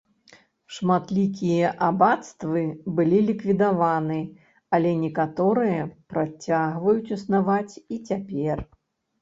Шматлікія абацтвы былі ліквідаваны, але некаторыя працягваюць існаваць і цяпер.